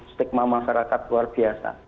stigma masyarakat luar biasa